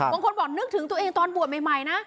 บางคนบอกนึกถึงตัวเองตอนบวชใหม่นะ